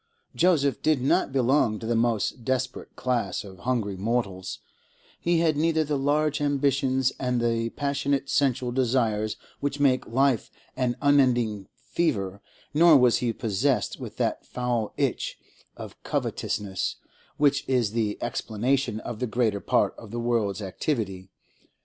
Joseph did not belong to the most desperate class of hungry mortals; he had neither the large ambitions and the passionate sensual desires which make life an unending fever, nor was he possessed with that foul itch of covetousness which is the explanation of the greater part of the world's activity.